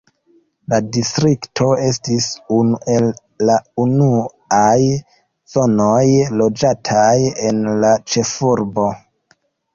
La distrikto estis unu el la unuaj zonoj loĝataj en la ĉefurbo.